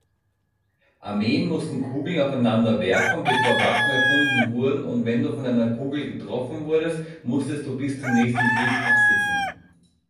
Armeen mussten Kugeln aufeinander werfen, bevor Waffen erfunden wurden und wenn du von einer Kugel getroffen wurdest, musstest du bis zum nächsten Krieg absitzen.